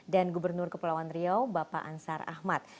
dan gubernur kepulauan riau bapak ansar ahmad